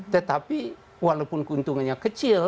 tetapi walaupun keuntungannya kecil